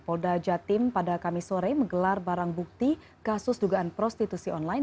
polda jatim pada kamis sore menggelar barang bukti kasus dugaan prostitusi online